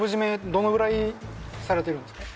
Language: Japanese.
どのぐらいされてるんですか？